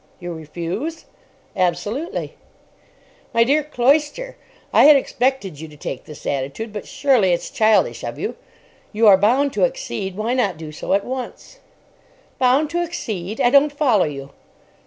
"You refuse?" "Absolutely." "My dear Cloyster, I had expected you to take this attitude; but surely it's childish of you. You are bound to accede. Why not do so at once?" "Bound to accede? I don't follow you."